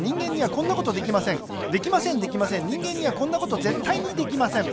できませんできません人間にはこんなことぜったいにできません